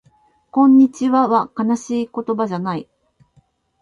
こんにちはは悲しい言葉じゃない